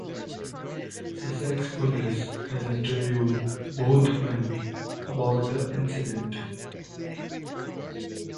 Sussex Police had interviewed both men about the incident.